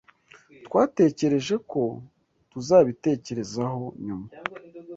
Twatekereje ko tuzabitekerezaho nyuma.